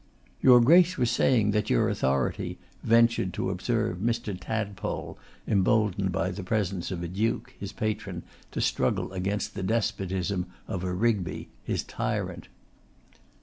'Your Grace was saying that your authority ' ventured to observe Mr. Tadpole, emboldened by the presence of a duke, his patron, to struggle against the despotism of a Rigby, his tyrant.